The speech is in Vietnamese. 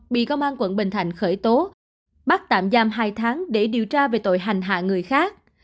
bị công an quận bình thạnh khởi tố bắt tạm giam hai tháng để điều tra về tội hành hạ người khác